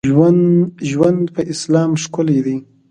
ژوند په اسلام ښکلی دی.